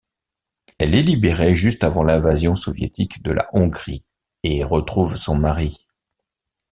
Elle est libérée juste avant l'invasion soviétique de la Hongrie et retrouve son mari.